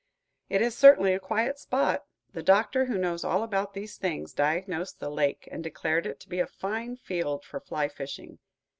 It is certainly a quiet spot. The Doctor, who knows all about these things, diagnosed the lake and declared it to be a fine field for fly fishing.